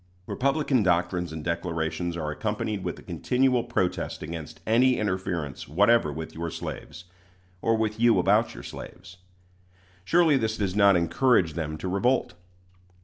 Republican doctrines and declarations are accompanied with a continual protest against any interference whatever with your slaves, or with you about your slaves. Surely this does not encourage them to revolt.